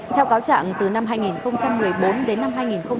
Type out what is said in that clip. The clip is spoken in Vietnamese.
theo cáo trạng từ năm hai nghìn một mươi bốn đến năm hai nghìn một mươi bảy